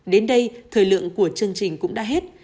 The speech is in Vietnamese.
đến đây thời lượng của chương trình cũng đã hết